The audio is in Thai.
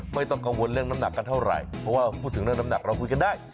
ไม่ต้องกังวลเรื่องน้ำหนักกันเท่าไหร่เพราะว่าพูดถึงเรื่องน้ำหนักเราคุยกันได้